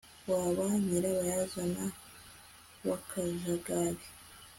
waba nyirabayazana w'akajagari